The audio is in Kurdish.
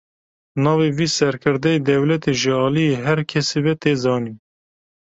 Navê vî serkirdeyê dewletê ji aliyê her kesî ve tê zanîn.